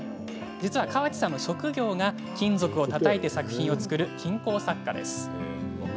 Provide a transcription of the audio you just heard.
川地さんの職業は金属をたたいて作品を作る金工作家です。